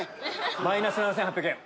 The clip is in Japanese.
マイナス７８００円。